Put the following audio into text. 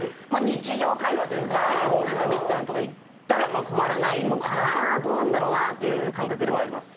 日常会話というかレストランとか行ったら困らないのかなどうなんだろうなっていう感覚ではあります。